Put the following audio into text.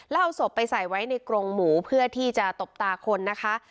แล้วเอาศพไปใส่ไว้ในกรงหมูเพื่อที่จะตบตาคนนะคะ